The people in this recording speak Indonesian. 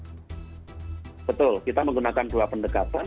betul kita menggunakan dua pendekatan